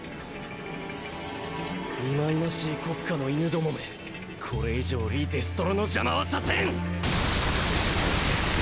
忌々しい国家の犬どもめこれ以上リ・デストロの邪魔はさせん！